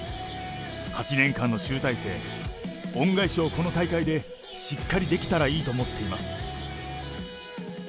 ８年間の集大成、恩返しをこの大会でしっかりできたらいいと思っています。